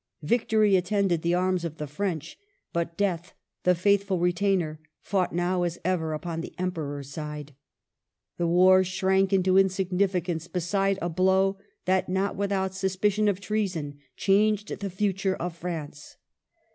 Victory attended the arms of the French ; but , Death, the faithful retainer, fought now, as ever, upon the Emperor's side. The war shrank into insignificance beside a blow that, not without suspicion of treason, changed the future of France.